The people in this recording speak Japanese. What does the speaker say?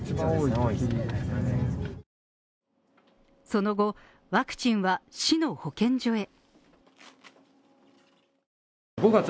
その後、ワクチンは市の保健所へ。